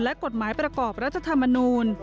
และกฎหมายประกอบรัฐธรรมนูล